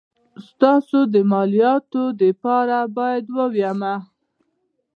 ستا د مالوماتو دپاره بايد ووايم.